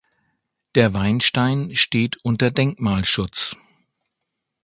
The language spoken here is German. Der Weinstein steht unter Denkmalschutz.